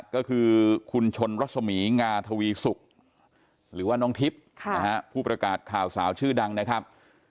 ก็คือคุณชนรัศมีงาทวีสุกหรือว่าน้องทิพย์ผู้ประกาศข่าวสาวชื่อดังนะครับ